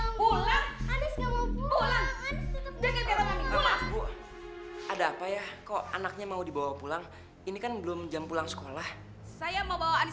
mana mungkin saya masukkan ani di sekolah ini yang gembel kumuh kayak begini